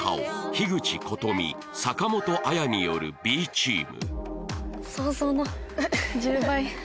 樋口琴美坂本彩によるＢチーム